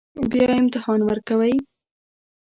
بیا امتحان ورکوئ